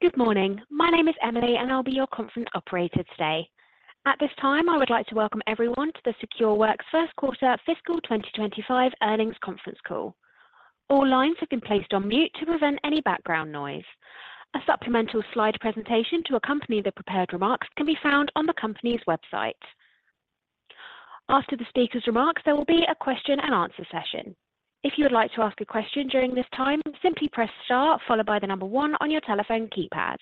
Good morning. My name is Emily, and I'll be your conference operator today. At this time, I would like to welcome everyone to the Secureworks first quarter fiscal 2025 earnings conference call. All lines have been placed on mute to prevent any background noise. A supplemental slide presentation to accompany the prepared remarks can be found on the company's website. After the speaker's remarks, there will be a question-and-answer session. If you would like to ask a question during this time, simply press star followed by the number one on your telephone keypad.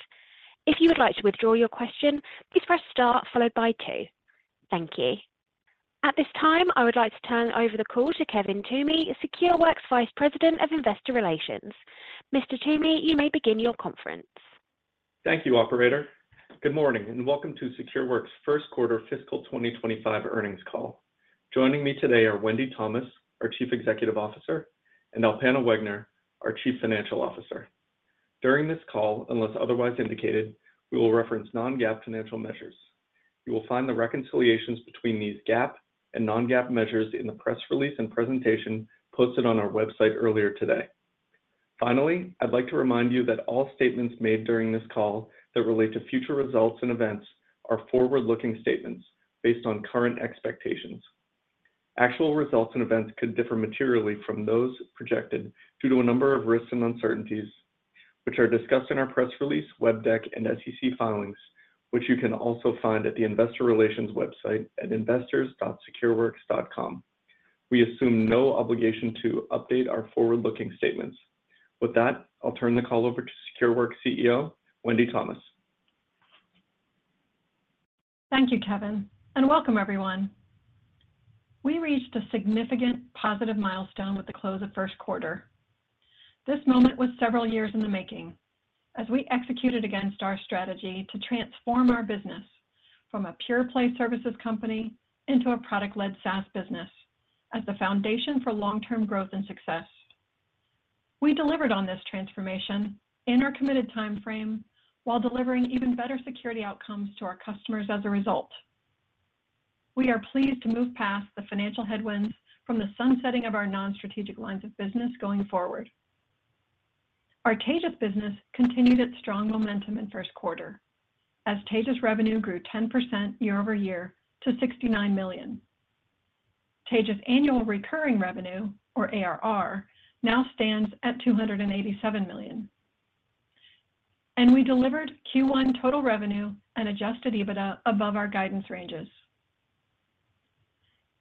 If you would like to withdraw your question, please press star followed by two. Thank you. At this time, I would like to turn over the call to Kevin Toomey, Secureworks Vice President of Investor Relations. Mr. Toomey, you may begin your conference. Thank you, operator. Good morning, and welcome to Secureworks first quarter fiscal 2025 earnings call. Joining me today are Wendy Thomas, our Chief Executive Officer, and Alpana Wegner, our Chief Financial Officer. During this call, unless otherwise indicated, we will reference non-GAAP financial measures. You will find the reconciliations between these GAAP and non-GAAP measures in the press release and presentation posted on our website earlier today. Finally, I'd like to remind you that all statements made during this call that relate to future results and events are forward-looking statements based on current expectations. Actual results and events could differ materially from those projected due to a number of risks and uncertainties, which are discussed in our press release, web deck, and SEC filings, which you can also find at the investor relations website at investors.secureworks.com. We assume no obligation to update our forward-looking statements. With that, I'll turn the call over to Secureworks CEO, Wendy Thomas. Thank you, Kevin, and welcome everyone. We reached a significant positive milestone with the close of first quarter. This moment was several years in the making as we executed against our strategy to transform our business from a pure play services company into a product-led SaaS business as the foundation for long-term growth and success. We delivered on this transformation in our committed time frame, while delivering even better security outcomes to our customers as a result. We are pleased to move past the financial headwinds from the sunsetting of our non-strategic lines of business going forward. Our Taegis business continued its strong momentum in first quarter, as Taegis revenue grew 10% year-over-year to $69 million. Taegis annual recurring revenue, or ARR, now stands at $287 million. And we delivered Q1 total revenue and Adjusted EBITDA above our guidance ranges.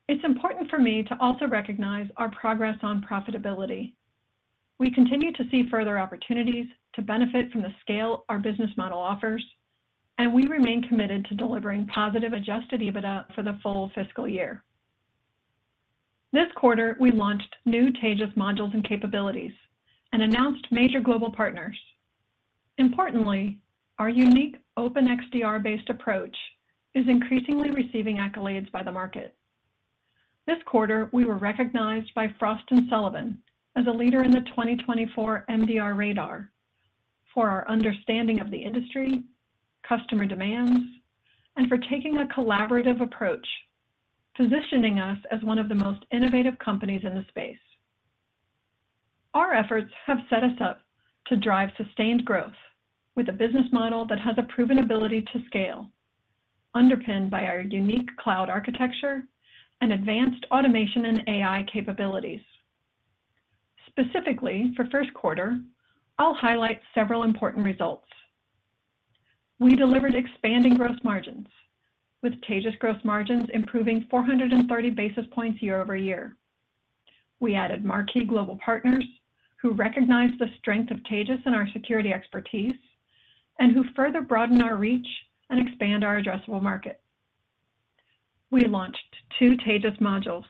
It's important for me to also recognize our progress on profitability. We continue to see further opportunities to benefit from the scale our business model offers, and we remain committed to delivering positive Adjusted EBITDA for the full fiscal year. This quarter, we launched new Taegis modules and capabilities and announced major global partners. Importantly, our unique Open XDR-based approach is increasingly receiving accolades by the market. This quarter, we were recognized by Frost & Sullivan as a leader in the 2024 MDR Radar for our understanding of the industry, customer demands, and for taking a collaborative approach, positioning us as one of the most innovative companies in the space. Our efforts have set us up to drive sustained growth with a business model that has a proven ability to scale, underpinned by our unique cloud architecture and advanced automation and AI capabilities. Specifically, for first quarter, I'll highlight several important results. We delivered expanding gross margins, with Taegis gross margins improving 430 basis points year-over-year. We added marquee global partners who recognize the strength of Taegis and our security expertise, and who further broaden our reach and expand our addressable market. We launched two Taegis modules.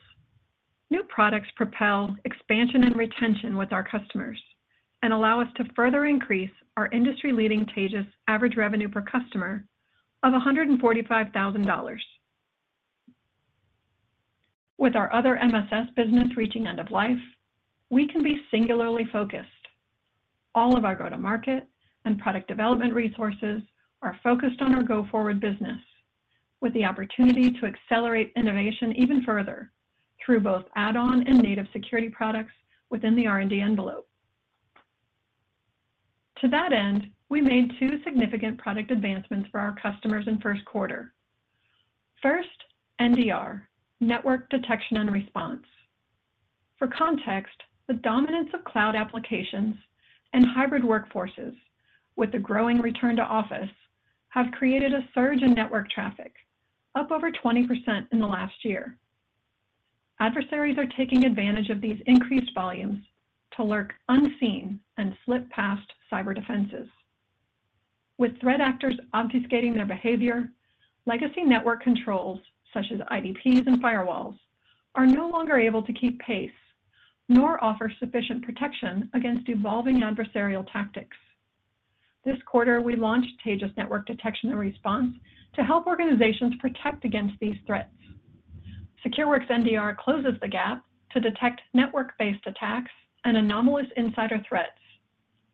New products propel expansion and retention with our customers and allow us to further increase our industry-leading Taegis average revenue per customer of $145,000. With our other MSS business reaching end of life, we can be singularly focused. All of our go-to-market and product development resources are focused on our go-forward business, with the opportunity to accelerate innovation even further through both add-on and native security products within the R&D envelope. To that end, we made two significant product advancements for our customers in first quarter. First, NDR, Network Detection and Response. For context, the dominance of cloud applications and hybrid workforces with the growing return to office have created a surge in network traffic, up over 20% in the last year. Adversaries are taking advantage of these increased volumes to lurk unseen and slip past cyber defenses. With threat actors obfuscating their behavior, legacy network controls, such as IDPs and firewalls, are no longer able to keep pace, nor offer sufficient protection against evolving adversarial tactics. This quarter, we launched Taegis Network Detection and Response to help organizations protect against these threats. Secureworks NDR closes the gap to detect network-based attacks and anomalous insider threats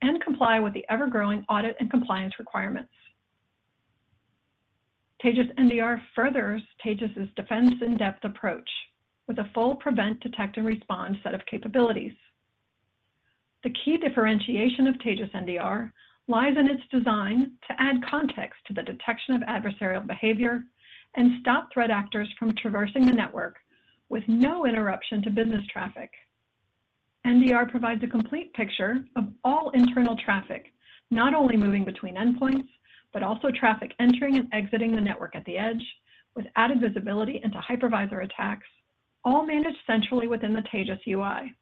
and comply with the ever-growing audit and compliance requirements. Taegis NDR furthers Taegis's defense in-depth approach with a full prevent, detect, and respond set of capabilities. The key differentiation of Taegis NDR lies in its design to add context to the detection of adversarial behavior and stop threat actors from traversing the network with no interruption to business traffic. NDR provides a complete picture of all internal traffic, not only moving between endpoints, but also traffic entering and exiting the network at the edge, with added visibility into hypervisor attacks, all managed centrally within the Taegis UI.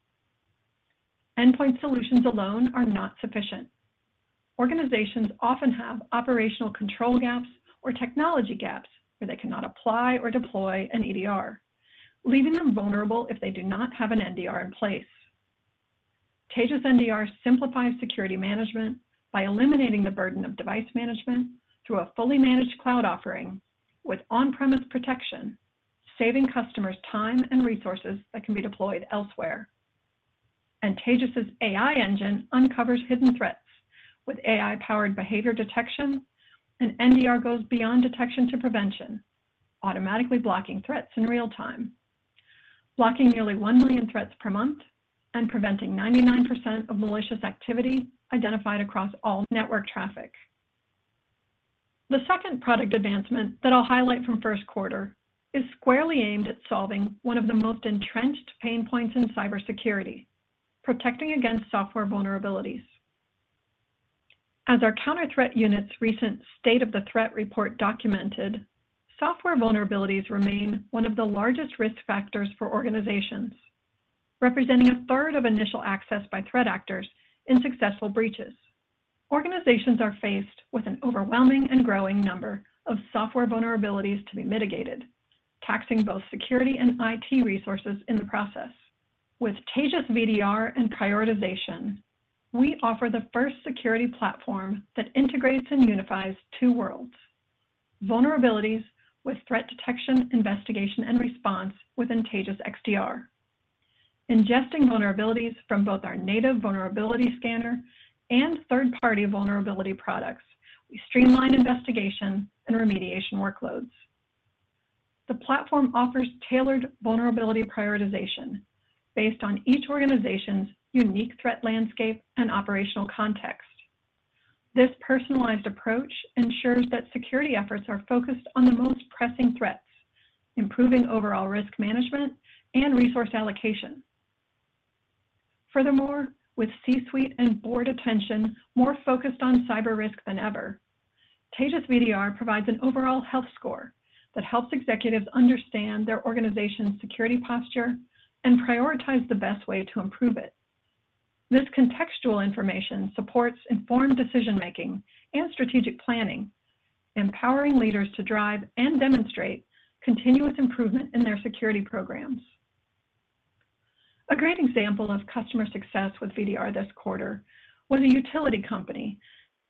Endpoint solutions alone are not sufficient. Organizations often have operational control gaps or technology gaps where they cannot apply or deploy an EDR, leaving them vulnerable if they do not have an NDR in place. Taegis NDR simplifies security management by eliminating the burden of device management through a fully managed cloud offering with on-premise protection, saving customers time and resources that can be deployed elsewhere. Taegis's AI engine uncovers hidden threats with AI-powered behavior detection, and NDR goes beyond detection to prevention, automatically blocking threats in real time, blocking nearly 1 million threats per month and preventing 99% of malicious activity identified across all network traffic. The second product advancement that I'll highlight from first quarter is squarely aimed at solving one of the most entrenched pain points in cybersecurity, protecting against software vulnerabilities. As our Counter Threat Unit's recent State of the Threat Report documented, software vulnerabilities remain one of the largest risk factors for organizations, representing 1/3 of initial access by threat actors in successful breaches. Organizations are faced with an overwhelming and growing number of software vulnerabilities to be mitigated, taxing both security and IT resources in the process. With Taegis VDR and prioritization, we offer the first security platform that integrates and unifies two worlds, vulnerabilities with threat detection, investigation, and response within Taegis XDR. Ingesting vulnerabilities from both our native vulnerability scanner and third-party vulnerability products, we streamline investigation and remediation workloads. The platform offers tailored vulnerability prioritization based on each organization's unique threat, landscape, and operational context. This personalized approach ensures that security efforts are focused on the most pressing threats, improving overall risk management and resource allocation. Furthermore, with C-suite and board attention more focused on cyber risk than ever, Taegis VDR provides an overall health score that helps executives understand their organization's security posture and prioritize the best way to improve it. This contextual information supports informed decision-making and strategic planning, empowering leaders to drive and demonstrate continuous improvement in their security programs. A great example of customer success with VDR this quarter was a utility company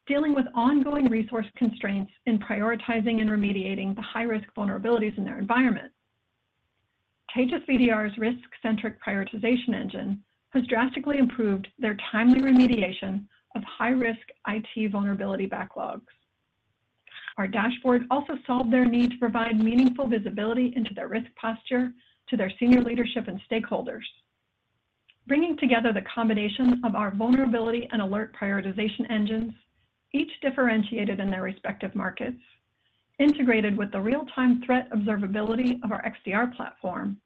dealing with ongoing resource constraints in prioritizing and remediating the high-risk vulnerabilities in their environment. Taegis VDR's risk-centric prioritization engine has drastically improved their timely remediation of high-risk IT vulnerability backlogs. Our dashboard also solved their need to provide meaningful visibility into their risk posture to their senior leadership and stakeholders. Bringing together the combination of our vulnerability and alert prioritization engines, each differentiated in their respective markets, integrated with the real-time threat observability of our XDR platform,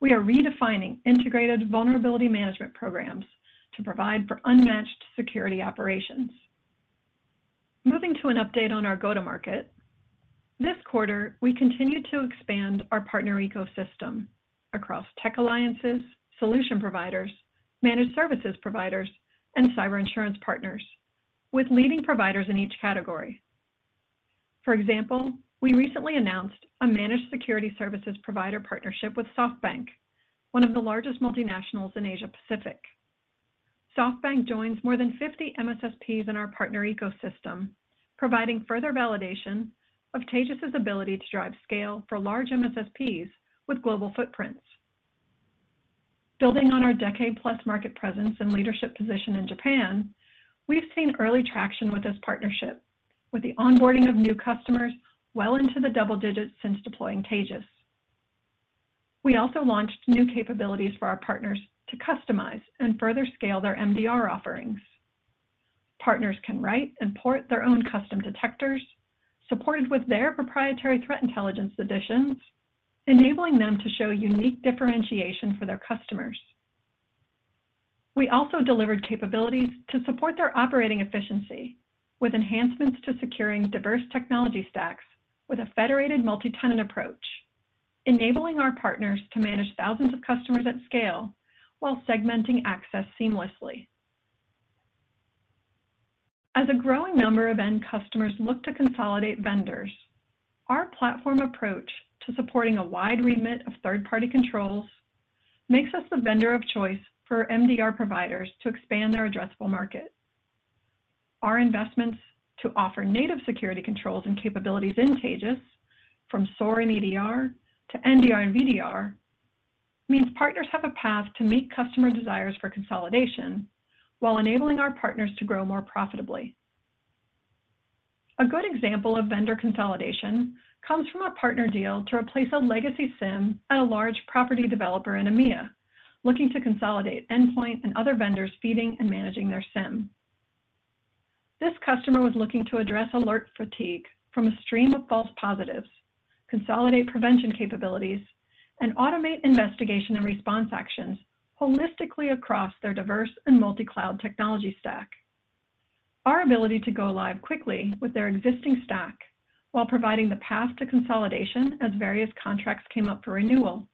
we are redefining integrated vulnerability management programs to provide for unmatched security operations. Moving to an update on our go-to-market, this quarter, we continued to expand our partner ecosystem across tech alliances, solution providers, managed services providers, and cyber insurance partners with leading providers in each category. For example, we recently announced a managed security services provider partnership with SoftBank, one of the largest multinationals in Asia Pacific. SoftBank joins more than 50 MSSPs in our partner ecosystem, providing further validation of Taegis's ability to drive scale for large MSSPs with global footprints. Building on our decade-plus market presence and leadership position in Japan, we've seen early traction with this partnership, with the onboarding of new customers well into the double digits since deploying Taegis. We also launched new capabilities for our partners to customize and further scale their MDR offerings. Partners can write, import their own custom detectors, supported with their proprietary threat intelligence additions, enabling them to show unique differentiation for their customers. We also delivered capabilities to support their operating efficiency with enhancements to securing diverse technology stacks with a federated multi-tenant approach, enabling our partners to manage thousands of customers at scale while segmenting access seamlessly. As a growing number of end customers look to consolidate vendors, our platform approach to supporting a wide remit of third-party controls makes us the vendor of choice for MDR providers to expand their addressable market. Our investments to offer native security controls and capabilities in Taegis, from SOAR and EDR to NDR and VDR, means partners have a path to meet customer desires for consolidation, while enabling our partners to grow more profitably. A good example of vendor consolidation comes from a partner deal to replace a legacy SIEM at a large property developer in EMEA, looking to consolidate endpoint and other vendors feeding and managing their SIEM. This customer was looking to address alert fatigue from a stream of false positives, consolidate prevention capabilities, and automate investigation and response actions holistically across their diverse and multi-cloud technology stack. Our ability to go live quickly with their existing stack, while providing the path to consolidation as various contracts came up for renewal,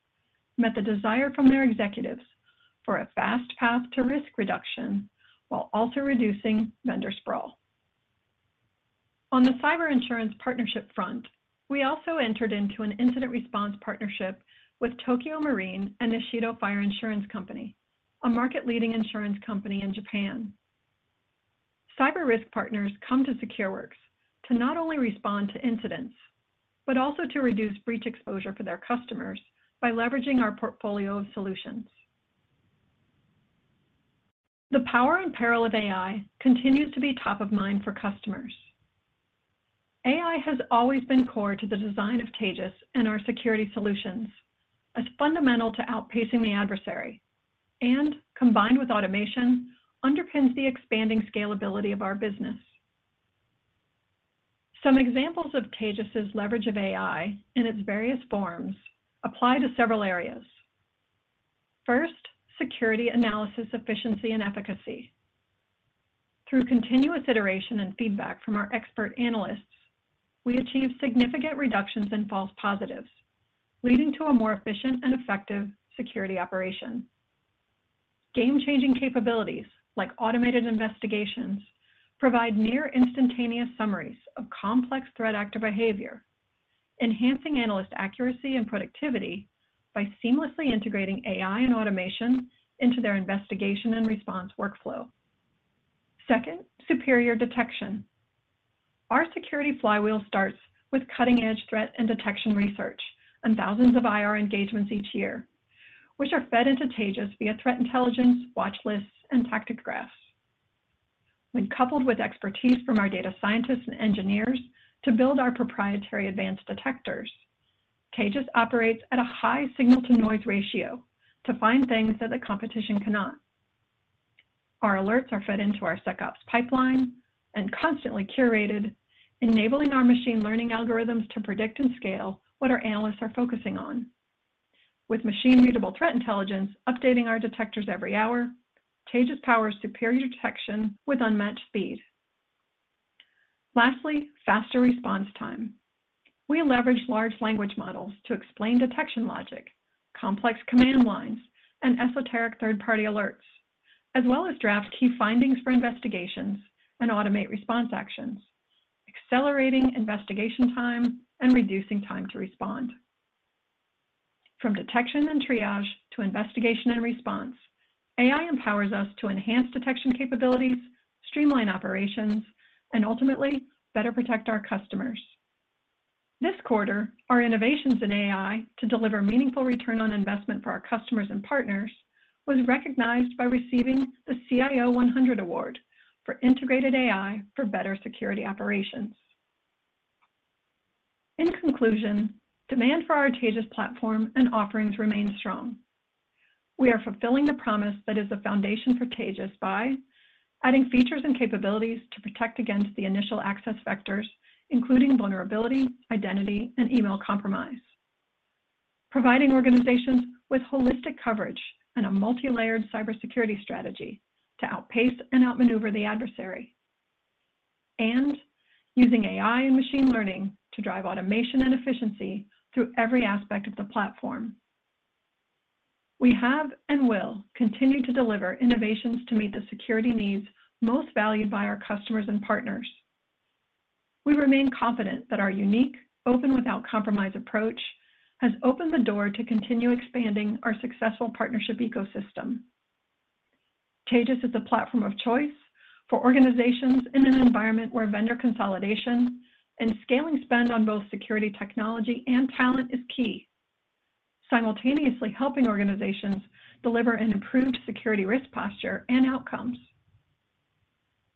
met the desire from their executives for a fast path to risk reduction while also reducing vendor sprawl. On the cyber insurance partnership front, we also entered into an incident response partnership with Tokio Marine & Nichido Fire Insurance Company, a market-leading insurance company in Japan. Cyber risk partners come to Secureworks to not only respond to incidents, but also to reduce breach exposure for their customers by leveraging our portfolio of solutions. The power and peril of AI continues to be top of mind for customers. AI has always been core to the design of Taegis and our security solutions, as fundamental to outpacing the adversary, and combined with automation, underpins the expanding scalability of our business. Some examples of Taegis' leverage of AI in its various forms apply to several areas. First, security analysis, efficiency, and efficacy. Through continuous iteration and feedback from our expert analysts, we achieve significant reductions in false positives, leading to a more efficient and effective security operation. Game-changing capabilities, like automated investigations, provide near-instantaneous summaries of complex threat actor behavior, enhancing analyst accuracy and productivity by seamlessly integrating AI and automation into their investigation and response workflow. Second, superior detection. Our security flywheel starts with cutting-edge threat and detection research and thousands of IR engagements each year, which are fed into Taegis via threat intelligence, watch lists, and tactic graphs. When coupled with expertise from our data scientists and engineers to build our proprietary advanced detectors, Taegis operates at a high signal-to-noise ratio to find things that the competition cannot. Our alerts are fed into our SecOps pipeline and constantly curated, enabling our machine learning algorithms to predict and scale what our analysts are focusing on. With machine-readable threat intelligence updating our detectors every hour, Taegis powers superior detection with unmatched speed. Lastly, faster response time. We leverage large language models to explain detection logic, complex command lines, and esoteric third-party alerts, as well as draft key findings for investigations and automate response actions, accelerating investigation time and reducing time to respond. From detection and triage to investigation and response, AI empowers us to enhance detection capabilities, streamline operations, and ultimately, better protect our customers. This quarter, our innovations in AI to deliver meaningful return on investment for our customers and partners was recognized by receiving the CIO 100 Award for Integrated AI for Better Security Operations. In conclusion, demand for our Taegis platform and offerings remain strong. We are fulfilling the promise that is the foundation for Taegis by adding features and capabilities to protect against the initial access vectors, including vulnerability, identity, and email compromise, providing organizations with holistic coverage and a multi-layered cybersecurity strategy to outpace and outmaneuver the adversary, and using AI and machine learning to drive automation and efficiency through every aspect of the platform. We have and will continue to deliver innovations to meet the security needs most valued by our customers and partners. We remain confident that our unique, open without compromise approach has opened the door to continue expanding our successful partnership ecosystem. Taegis is a platform of choice for organizations in an environment where vendor consolidation and scaling spend on both security technology and talent is key, simultaneously helping organizations deliver an improved security risk posture and outcomes.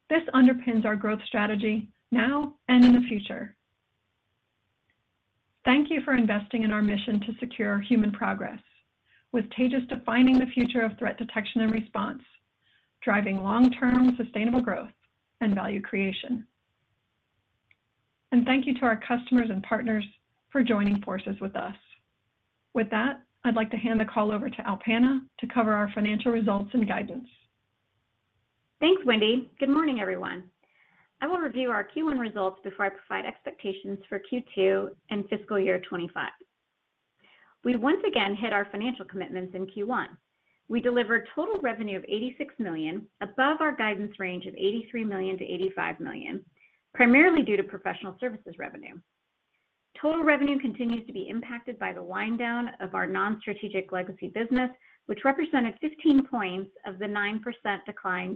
This underpins our growth strategy now and in the future. Thank you for investing in our mission to secure human progress, with Taegis defining the future of threat detection and response, driving long-term sustainable growth and value creation. And thank you to our customers and partners for joining forces with us. With that, I'd like to hand the call over to Alpana to cover our financial results and guidance. Thanks, Wendy. Good morning, everyone. I will review our Q1 results before I provide expectations for Q2 and Fiscal Year 2025. We once again hit our financial commitments in Q1. We delivered total revenue of $86 million, above our guidance range of $83 million-$85 million, primarily due to professional services revenue. Total revenue continues to be impacted by the wind down of our non-strategic legacy business, which represented 15 points of the 9% decline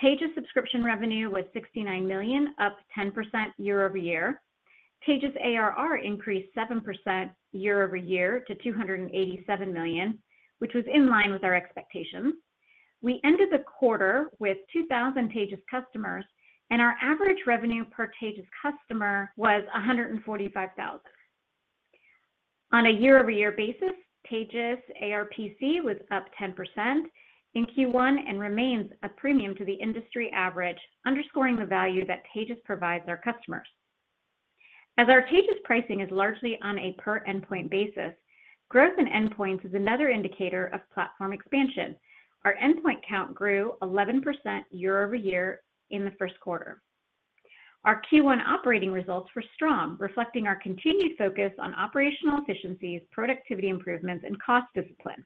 year-over-year. Taegis subscription revenue was $69 million, up 10% year-over-year. Taegis ARR increased 7% year-over-year to $287 million, which was in line with our expectations. We ended the quarter with 2,000 Taegis customers, and our average revenue per Taegis customer was $145,000. On a year-over-year basis, Taegis ARPC was up 10% in Q1 and remains a premium to the industry average, underscoring the value that Taegis provides our customers. As our Taegis pricing is largely on a per-endpoint basis, growth in endpoints is another indicator of platform expansion. Our endpoint count grew 11% year-over-year in the first quarter. Our Q1 operating results were strong, reflecting our continued focus on operational efficiencies, productivity improvements, and cost discipline.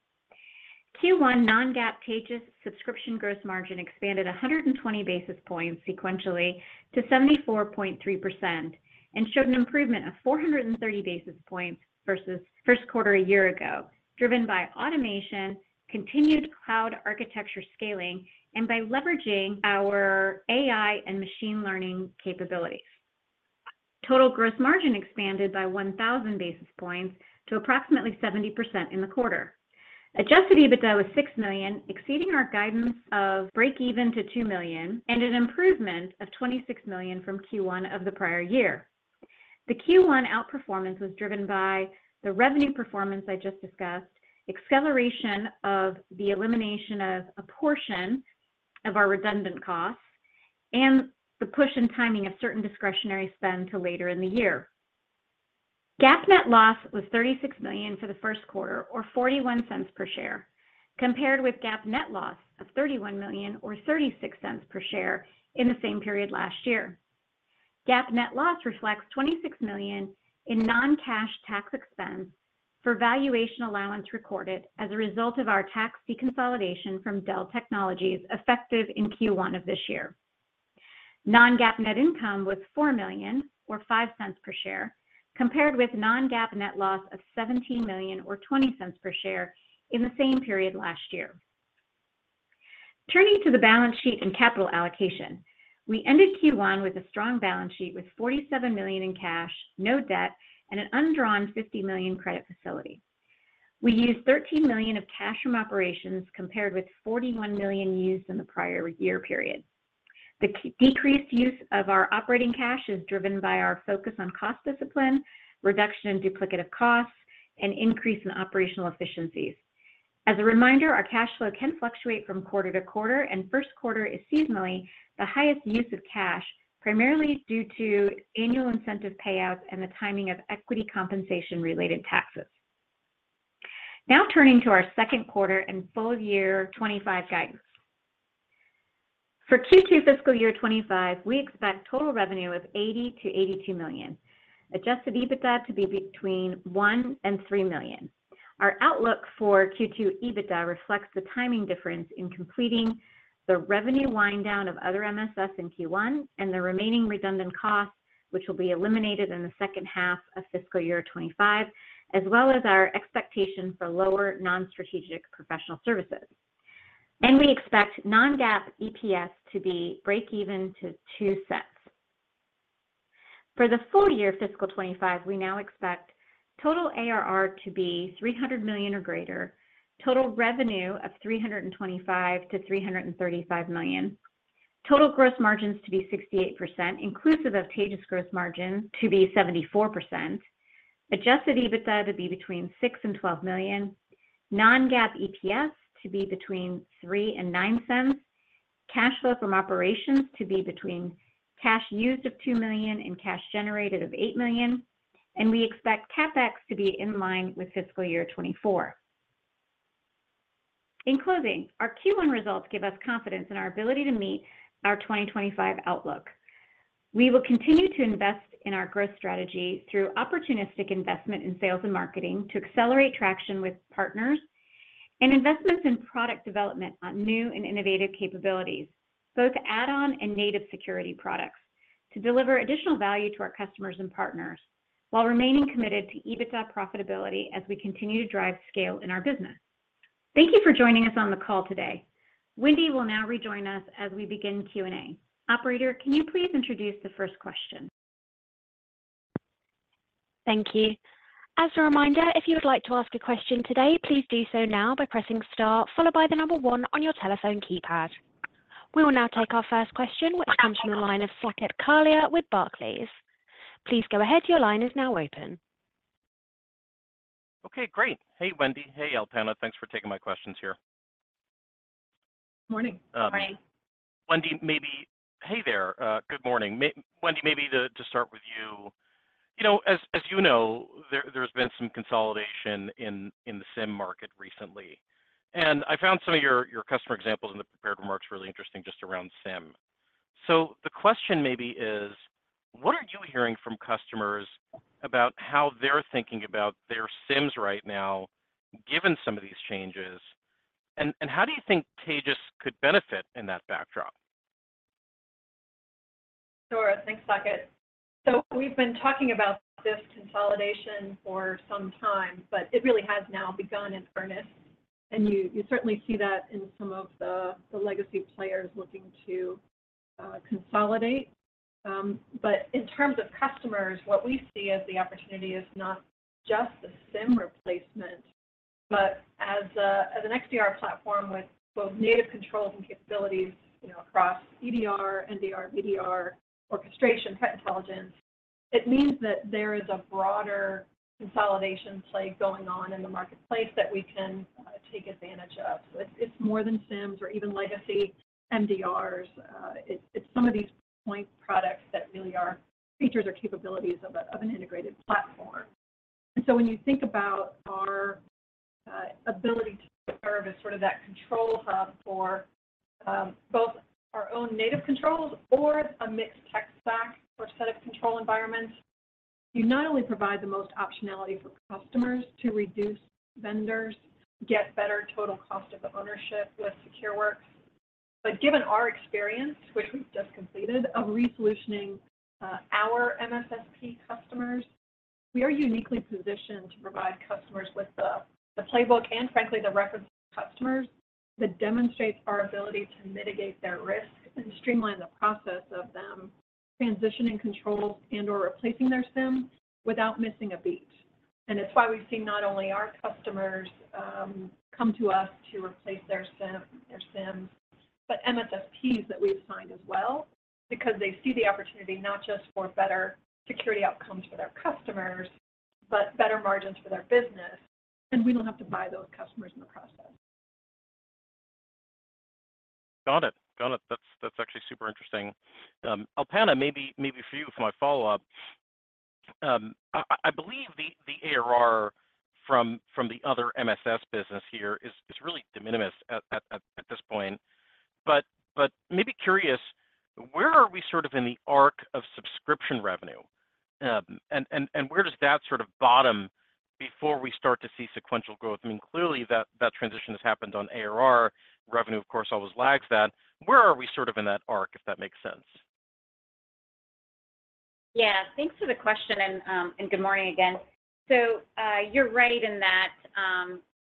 Q1 non-GAAP Taegis subscription gross margin expanded 120 basis points sequentially to 74.3% and showed an improvement of 430 basis points versus first quarter a year ago, driven by automation, continued cloud architecture scaling, and by leveraging our AI and machine learning capabilities. Total gross margin expanded by 1,000 basis points to approximately 70% in the quarter. Adjusted EBITDA was $6 million, exceeding our guidance of break-even to $2 million and an improvement of $26 million from Q1 of the prior year. The Q1 outperformance was driven by the revenue performance I just discussed, acceleration of the elimination of a portion of our redundant costs, and the push and timing of certain discretionary spend to later in the year. GAAP net loss was $36 million for the first quarter, or $0.41 per share, compared with GAAP net loss of $31 million or $0.36 per share in the same period last year. GAAP net loss reflects $26 million in non-cash tax expense for valuation allowance recorded as a result of our tax deconsolidation from Dell Technologies, effective in Q1 of this year. Non-GAAP net income was $4 million, or $0.05 per share, compared with non-GAAP net loss of $17 million or $0.20 per share in the same period last year. Turning to the balance sheet and capital allocation, we ended Q1 with a strong balance sheet with $47 million in cash, no debt, and an undrawn $50 million credit facility. We used $13 million of cash from operations, compared with $41 million used in the prior year period. The decreased use of our operating cash is driven by our focus on cost discipline, reduction in duplicative costs, and increase in operational efficiencies. As a reminder, our cash flow can fluctuate from quarter to quarter, and first quarter is seasonally the highest use of cash, primarily due to annual incentive payouts and the timing of equity compensation related taxes. Now turning to our second quarter and full year 2025 guidance. For Q2 Fiscal Year 2025, we expect total revenue of $80 million-$82 million, adjusted EBITDA to be between $1 million-$3 million. Our outlook for Q2 EBITDA reflects the timing difference in completing the revenue wind down of other MSS in Q1 and the remaining redundant costs, which will be eliminated in the second half of Fiscal Year 2025, as well as our expectation for lower non-strategic professional services. We expect non-GAAP EPS to be break even to $0.02. For the full year fiscal 2025, we now expect total ARR to be $300 million or greater, total revenue of $325 million-$335 million, total gross margins to be 68%, inclusive of Taegis gross margin to be 74%. Adjusted EBITDA to be between $6 million-$12 million, non-GAAP EPS to be between $0.03-$0.09, cash flow from operations to be between cash used of $2 million and cash generated of $8 million, and we expect CapEx to be in line with fiscal year 2024. In closing, our Q1 results give us confidence in our ability to meet our 2025 outlook. We will continue to invest in our growth strategy through opportunistic investment in sales and marketing to accelerate traction with partners and investments in product development on new and innovative capabilities, both add-on and native security products, to deliver additional value to our customers and partners while remaining committed to EBITDA profitability as we continue to drive scale in our business. Thank you for joining us on the call today. Wendy will now rejoin us as we begin Q&A. Operator, can you please introduce the first question? Thank you. As a reminder, if you would like to ask a question today, please do so now by pressing star, followed by the number one on your telephone keypad. We will now take our first question, which comes from the line of Saket Kalia with Barclays. Please go ahead. Your line is now open. Okay, great. Hey, Wendy. Hey, Alpana. Thanks for taking my questions here. Morning. Wendy, maybe... Hey there. Good morning. Wendy, maybe to start with you. You know, as you know, there's been some consolidation in the SIEM market recently, and I found some of your customer examples in the prepared remarks really interesting, just around SIEM. So the question maybe is: What are you hearing from customers about how they're thinking about their SIEMs right now, given some of these changes, and how do you think Taegis could benefit in that backdrop? Sure. Thanks, Saket. So we've been talking about this consolidation for some time, but it really has now begun in earnest, and you certainly see that in some of the legacy players looking to consolidate. But in terms of customers, what we see as the opportunity is not just the SIEM replacement, but as an XDR platform with both native controls and capabilities, you know, across EDR, NDR, MDR, orchestration, threat intelligence, it means that there is a broader consolidation play going on in the marketplace that we can take advantage of. It's more than SIEMs or even legacy MDRs. It's some of these point products that really are features or capabilities of an integrated platform. So when you think about our ability to serve as sort of that control hub for both our own native controls or a mixed tech stack or set of control environments, you not only provide the most optionality for customers to reduce vendors, get better total cost of ownership with Secureworks. But given our experience, which we've just completed, of re-solutioning our MSSP customers, we are uniquely positioned to provide customers with the playbook and frankly, the reference customers, that demonstrates our ability to mitigate their risk and streamline the process of them transitioning controls and/or replacing their SIEM without missing a beat. It's why we've seen not only our customers come to us to replace their SIEM, their SIEMs, but MSSPs that we've signed as well, because they see the opportunity not just for better security outcomes for their customers, but better margins for their business, and we don't have to buy those customers in the process. Got it. Got it. That's actually super interesting. Alpana, maybe for you for my follow-up. I believe the ARR from the other MSS business here is really de minimis at this point. But maybe curious, where are we sort of in the arc of subscription revenue? And where does that sort of bottom before we start to see sequential growth? I mean, clearly, that transition has happened on ARR. Revenue, of course, always lags that. Where are we sort of in that arc, if that makes sense? Yeah, thanks for the question, and, and good morning again. So, you're right in that,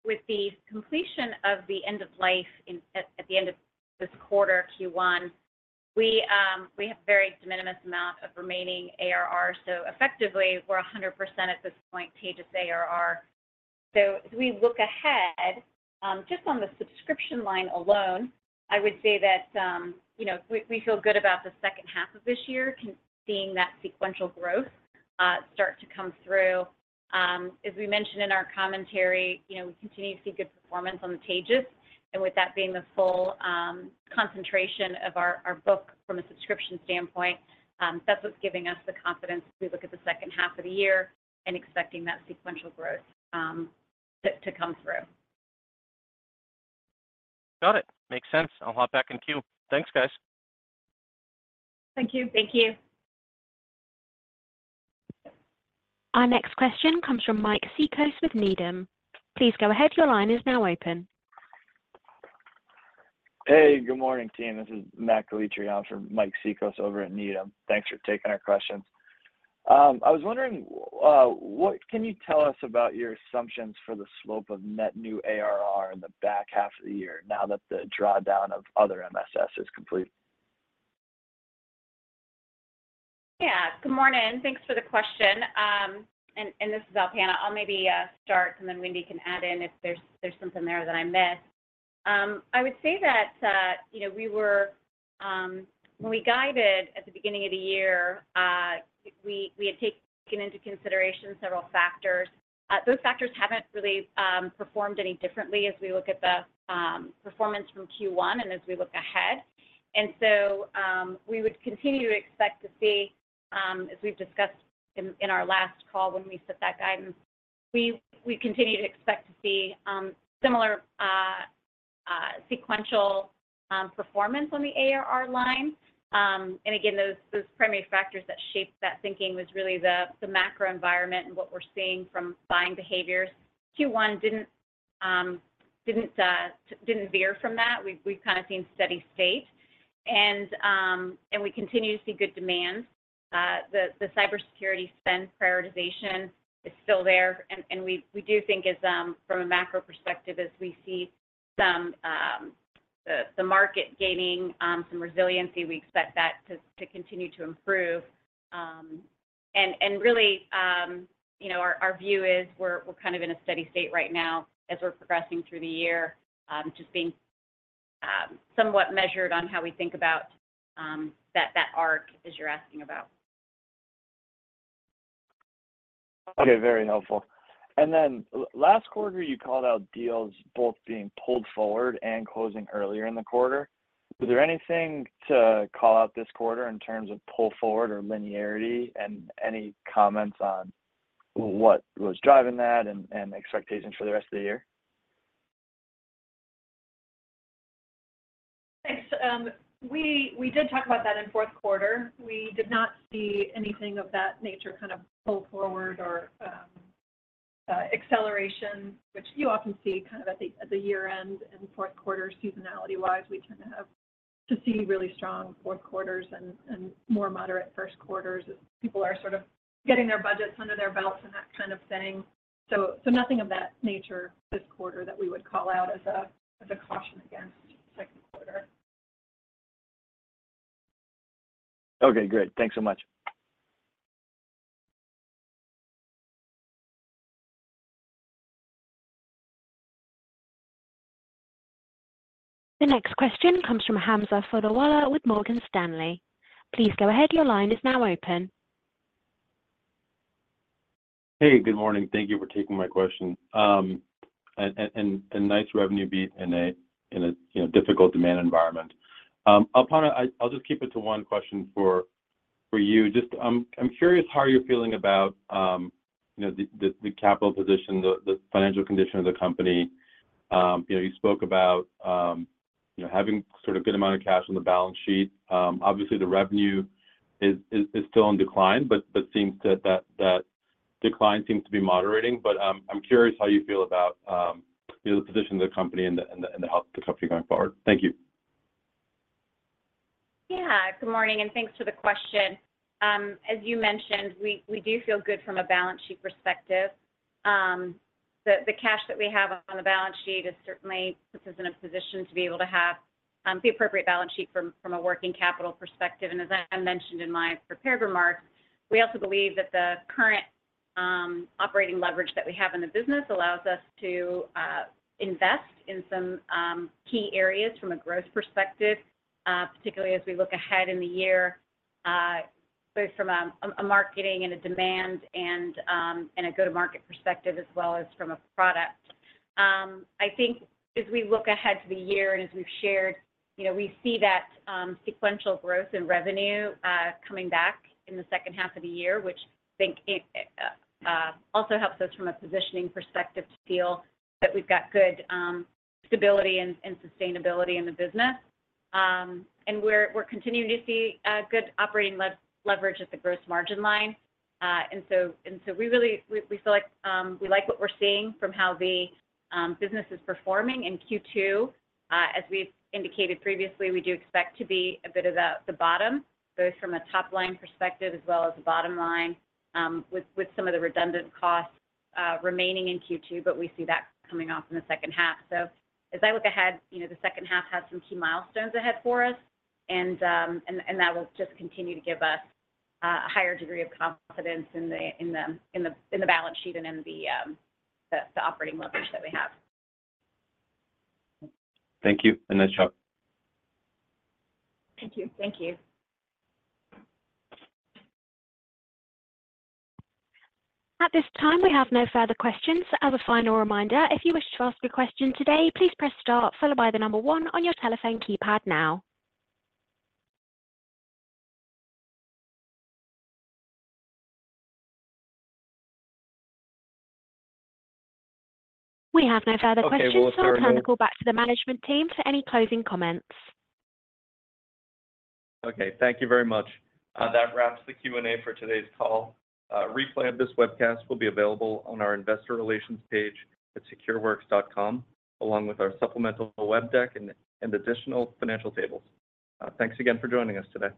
with the completion of the end of life at the end of this quarter, Q1, we, we have very de minimis amount of remaining ARR, so effectively, we're 100% at this point SaaS ARR. So as we look ahead, just on the subscription line alone, I would say that, you know, we, we feel good about the second half of this year, seeing that sequential growth start to come through. As we mentioned in our commentary, you know, we continue to see good performance on the Taegis, and with that being the full concentration of our book from a subscription standpoint, that's what's giving us the confidence as we look at the second half of the year and expecting that sequential growth to come through. Got it. Makes sense. I'll hop back in queue. Thanks, guys. Thank you. Thank you. Our next question comes from Mike Cikos with Needham. Please go ahead. Your line is now open. Hey, good morning, team. This is Matt Calitri from Mike Cikos over at Needham. Thanks for taking our questions. I was wondering, what can you tell us about your assumptions for the slope of net new ARR in the back half of the year, now that the drawdown of other MSS is complete? Yeah, good morning. Thanks for the question. And this is Alpana. I'll maybe start, and then Wendy can add in if there's something there that I missed. I would say that, you know, we were. When we guided at the beginning of the year, we had taken into consideration several factors. Those factors haven't really performed any differently as we look at the performance from Q1 and as we look ahead. And so, we would continue to expect to see, as we've discussed in our last call when we set that guidance, we continue to expect to see, similar sequential performance on the ARR line. And again, those primary factors that shaped that thinking was really the macro environment and what we're seeing from buying behaviors. Q1 didn't veer from that. We've kind of seen steady state. And we continue to see good demand. The cybersecurity spend prioritization is still there, and we do think as, from a macro perspective, as we see some, the market gaining some resiliency, we expect that to continue to improve. And really, you know, our view is we're kind of in a steady state right now as we're progressing through the year, just being somewhat measured on how we think about that arc as you're asking about. Okay, very helpful. And then last quarter, you called out deals both being pulled forward and closing earlier in the quarter. Was there anything to call out this quarter in terms of pull forward or linearity, and any comments on what was driving that and expectations for the rest of the year? Thanks. We did talk about that in fourth quarter. We did not see anything of that nature kind of pull forward or acceleration, which you often see kind of at the year-end and fourth quarter. Seasonality-wise, we tend to have to see really strong fourth quarters and more moderate first quarters as people are sort of getting their budgets under their belts and that kind of thing. So nothing of that nature this quarter that we would call out as a caution against second quarter. Okay, great. Thanks so much. The next question comes from Hamza Fodderwala with Morgan Stanley. Please go ahead. Your line is now open. Hey, good morning. Thank you for taking my question. And nice revenue beat in a you know difficult demand environment. Alpana, I'll just keep it to one question for you. Just I'm curious how you're feeling about you know the capital position the financial condition of the company. You know you spoke about you know having sort of good amount of cash on the balance sheet. Obviously, the revenue is still in decline, but it seems that the decline seems to be moderating. But I'm curious how you feel about you know the position of the company and the health of the company going forward. Thank you. Yeah, good morning, and thanks for the question. As you mentioned, we do feel good from a balance sheet perspective. The cash that we have on the balance sheet is certainly puts us in a position to be able to have the appropriate balance sheet from a working capital perspective. And as I mentioned in my prepared remarks, we also believe that the current operating leverage that we have in the business allows us to invest in some key areas from a growth perspective, particularly as we look ahead in the year, both from a marketing and a demand and a go-to-market perspective, as well as from a product. I think as we look ahead to the year, and as we've shared, you know, we see that sequential growth in revenue coming back in the second half of the year, which I think also helps us from a positioning perspective to feel that we've got good stability and sustainability in the business. And we're continuing to see good operating leverage at the gross margin line. And so we really feel like we like what we're seeing from how the business is performing in Q2. As we've indicated previously, we do expect to be a bit of the bottom, both from a top-line perspective as well as a bottom line, with some of the redundant costs remaining in Q2, but we see that coming off in the second half. So as I look ahead, you know, the second half has some key milestones ahead for us, and that will just continue to give us a higher degree of confidence in the balance sheet and in the operating leverage that we have. Thank you, and nice job. Thank you. Thank you. At this time, we have no further questions. As a final reminder, if you wish to ask a question today, please press star followed by one on your telephone keypad now. We have no further questions. Okay. Well, thank you- I'll turn the call back to the management team for any closing comments. Okay. Thank you very much. That wraps the Q&A for today's call. A replay of this webcast will be available on our investor relations page at Secureworks.com, along with our supplemental web deck and additional financial tables. Thanks again for joining us today.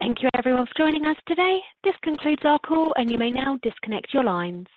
Thank you, everyone, for joining us today. This concludes our call, and you may now disconnect your line.